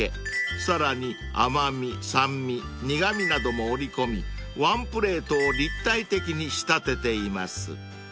［さらに甘味酸味苦味なども織り込みワンプレートを立体的に仕立てています］